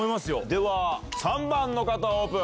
では３番の方オープン。